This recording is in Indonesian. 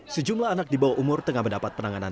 sejumlah anak di bawah umur tengah mendapat penanganan